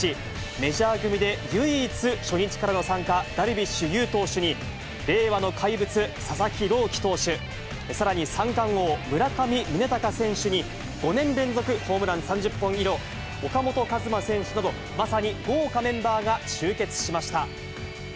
メジャー組で唯一、初日からの参加、ダルビッシュ有投手に、令和の怪物、佐々木朗希投手、さらに三冠王、村上宗隆選手に、５年連続ホームラン３０本以上、岡本和真選手など、まさに豪華メンバーが集結しました。